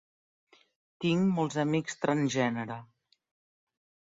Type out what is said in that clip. Tinc molts amics transgènere.